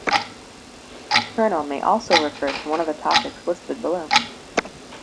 "Colonel" may also refer to one of the topics listed below.